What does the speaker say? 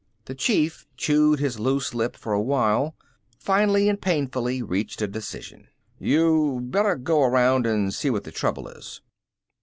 The Chief chewed his loose lip for a while, finally and painfully reached a decision. "You better go around and see what the trouble is."